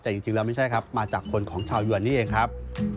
แต่จริงแล้วไม่ใช่ครับมาจากคนของชาวยวนนี่เองครับ